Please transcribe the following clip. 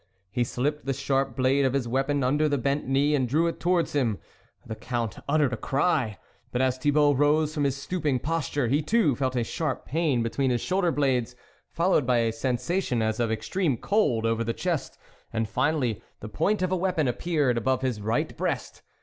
He slipped the sharp blade of his weapon under the bent knee and drew it towards him ; the Count uttered a cry ; but as Thibault rose from his stooping posture, he too felt a sharp pain between his shoulder blades, followed by a sensation as of extreme cold over the chest, and finally the point of a weapon appeared above his right breast.